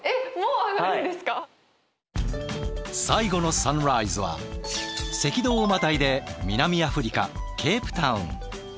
最後のサンライズは赤道をまたいで南アフリカケープタウン。